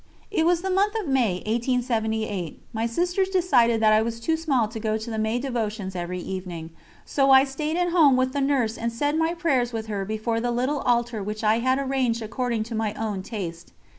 It was the month of May, 1878. My sisters decided that I was too small to go to the May devotions every evening, so I stayed at home with the nurse and said my prayers with her before the little altar which I had arranged according to my own taste.